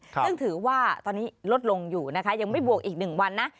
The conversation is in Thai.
ซึ่งถือว่าตอนนี้ลดลงอยู่นะคะยังไม่บวกอีก๑วันนะ